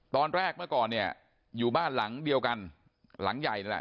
ตอนแรกเมื่อก่อนเนี่ยอยู่บ้านหลังเดียวกันหลังใหญ่นั่นแหละ